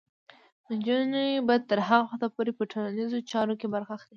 نجونې به تر هغه وخته پورې په ټولنیزو چارو کې برخه اخلي.